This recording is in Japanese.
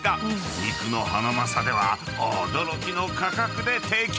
［肉のハナマサでは驚きの価格で提供］